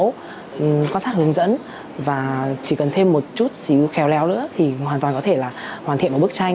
cũng quan sát hướng dẫn và chỉ cần thêm một chút xíu khéo léo nữa thì hoàn toàn có thể là hoàn thiện một bức tranh